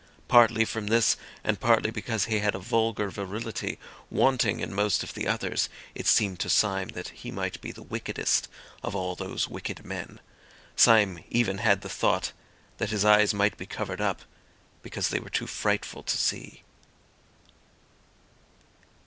Partly from this, and partly because he had a vulgar virility wanting in most of the others it seemed to Syme that he might be the wickedest of all those wicked men. Syme even had the thought that his eyes might be covered up because they were too frightful to see.